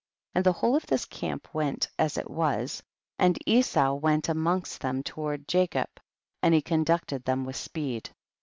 68 And the whole of this camp went as it was, and Esau went amongst them toward Jacob, and he conducted them with speed.